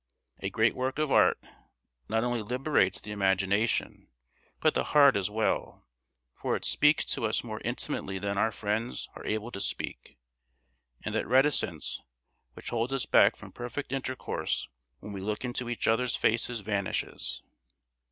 A great work of art not only liberates the imagination, but the heart as well; for it speaks to us more intimately than our friends are able to speak, and that reticence which holds us back from perfect intercourse when we look into each other's faces vanishes.